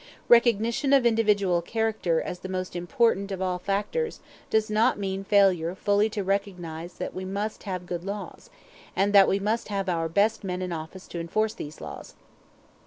Recognition of individual character as the most important of all factors does not mean failure fully to recognize that we must have good laws, and that we must have our best men in office to enforce these laws.